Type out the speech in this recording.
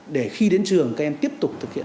để khi đến trường các em tiếp tục thực hiện